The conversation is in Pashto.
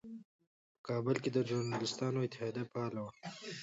په کابل کې ژورنالېستانو اتحادیه فعاله وه.